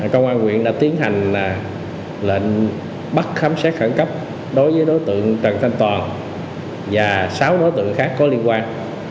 công an quyện đã tiến hành lệnh bắt khám xét khẩn cấp đối với đối tượng trần thanh toàn và sáu đối tượng khác có liên quan